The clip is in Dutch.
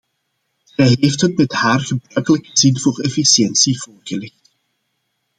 Zij heeft het met haar gebruikelijke zin voor efficiëntie voorgelegd.